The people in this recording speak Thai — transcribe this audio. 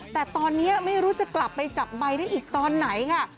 แต่ตอนเนี้ยไม่รู้จะกลับไปจับไหมได้อีกตอนไหนนิครับ